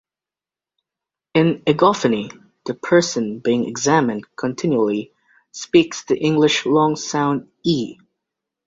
In egophony, the person being examined continually speaks the English long-sound "E".